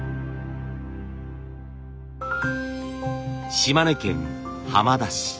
島根県浜田市。